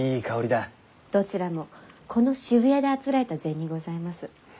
どちらもこの渋谷であつらえた膳にございます。